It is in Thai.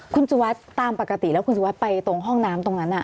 คุณสุวัสดิ์ตามปกติแล้วคุณสุวัสดิ์ไปตรงห้องน้ำตรงนั้น